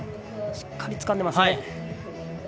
しっかりつかんでますね。